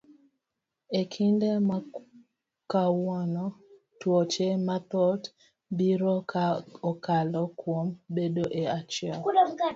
E kinde makawuono tuoche mathoth biro ka okalo kuom bedo e achiel.